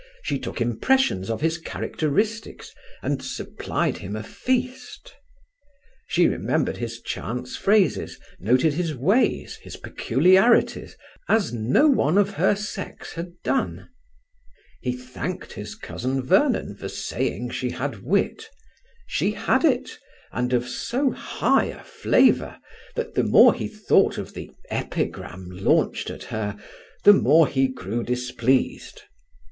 She took impressions of his characteristics, and supplied him a feast. She remembered his chance phrases; noted his ways, his peculiarities, as no one of her sex had done. He thanked his cousin Vernon for saying she had wit. She had it, and of so high a flavour that the more he thought of the epigram launched at her the more he grew displeased.